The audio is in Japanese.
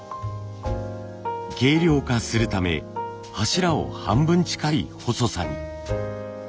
軽量化するため柱を半分近い細さに。